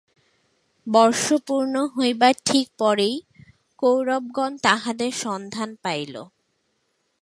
বর্ষ পূর্ণ হইবার ঠিক পরেই কৌরবগণ তাঁহাদের সন্ধান পাইল।